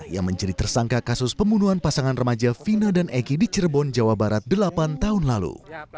yang menjadi tersangka kasus pembunuhan pasangan remaja vina dan eki di cirebon jawa barat delapan tahun lalu